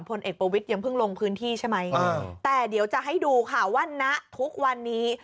พลเอกประวิทย์ยังเพิ่งลงพื้นที่ใช่ไหมแต่เดี๋ยวจะให้ดูค่ะว่าณทุกวันนี้